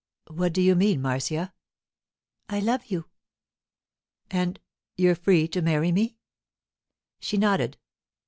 'What do you mean, Marcia?' 'I love you.' 'And—you're free to marry me?' She nodded.